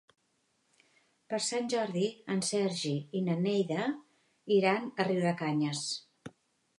Per Sant Jordi en Sergi i na Neida iran a Riudecanyes.